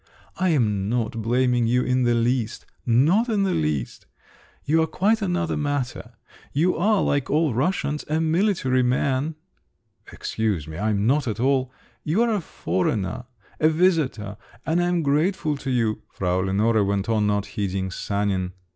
"I am not blaming you in the least, not in the least! You're quite another matter; you are, like all Russians, a military man …" "Excuse me, I'm not at all …" "You're a foreigner, a visitor, and I'm grateful to you," Frau Lenore went on, not heeding Sanin.